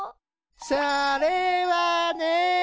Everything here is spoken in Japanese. それはね。